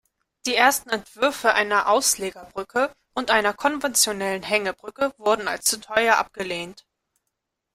Die ersten Entwürfe einer Auslegerbrücke und einer konventionellen Hängebrücke wurden als zu teuer abgelehnt.